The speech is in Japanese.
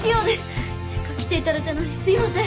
せっかく来ていただいたのにすいません！